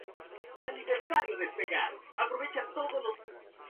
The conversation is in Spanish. Entró en conflicto con la casa de Saboya y el ducado de Milán.